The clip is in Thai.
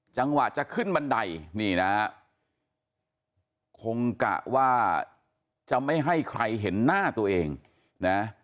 จังหวะจะขึ้นบันไดนี่นะคงกะว่าจะไม่ให้ใครเห็นหน้าตัวเองนะ